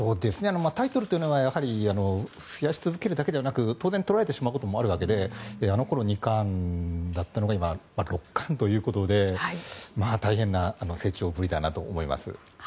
タイトルというのは増やし続けるだけではなく当然取られてしまうこともあるわけであの頃、二冠だったのが今、六冠ということで大変な成長ぶりだなと思います。